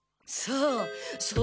そう。